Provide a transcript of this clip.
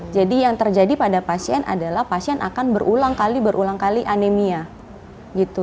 jadi yang terjadi pada pasien adalah pasien akan berulang kali berulang kali anemia gitu